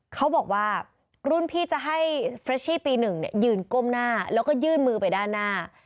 เขาบอกว่ารุ่นพี่จะให้เฟรชชี่ปี๑ยืนก้มหน้าแล้วก็ยื่นมือไปด้านหน้า